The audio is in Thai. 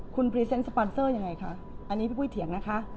คุณพรีเซนต์สปอนเซอร์ยังไงคะอันนี้พี่ปุ้ยเถียงนะคะ